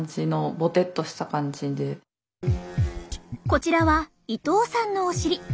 こちらは伊藤さんのお尻。